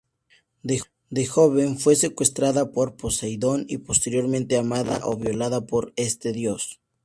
De joven fue secuestrada por Poseidón y posteriormente amada o violada por este dios.